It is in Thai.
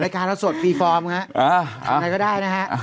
รายการเราสดตีฟอร์มนะฮะทำอะไรก็ได้นะฮะ